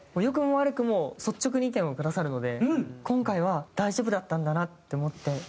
良くも悪くも率直に意見をくださるので今回は大丈夫だったんだなって思って。